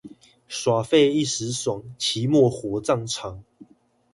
耍廢一時爽，期末火葬場